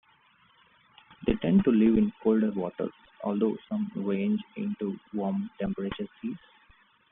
They tend to live in colder waters, although some range into warm-temperate seas.